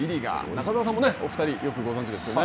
中澤さんもお２人よくご存じですよね。